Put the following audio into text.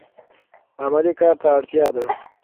عملي کار ته اړتیا ده.